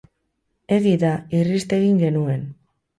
Egi da, irrist egin genuen.